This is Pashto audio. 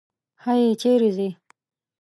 هی! چېرې ځې؟